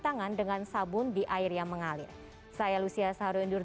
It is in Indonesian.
terima kasih pak